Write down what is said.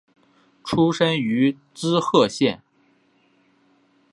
出身于滋贺县。